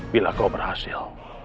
bila kau berhasil